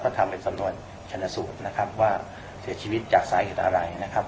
ทำเป็นสำนวนชนสูตรนะครับว่าเสียชีวิตจากสาเหตุอะไรนะครับ